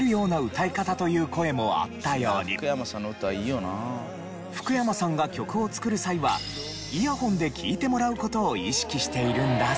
歌い方という声もあったように福山さんが曲を作る際はイヤホンで聴いてもらう事を意識しているんだそう。